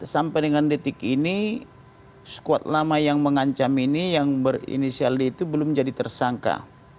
sampai dengan detik ini squad lama yang mengancam ini yang berinisial d itu belum jadi tersangka